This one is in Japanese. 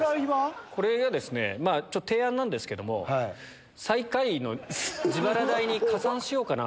これはですね、ちょっと提案なんですけども、最下位の自腹代に加算しようかなと。